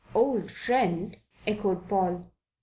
"Old friend?" echoed Paul.